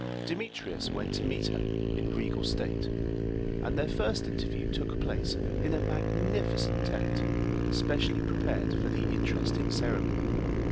Demetrius went to meet her in regal state, and their first interview took place in a magnificent tent, specially prepared for the interesting ceremony.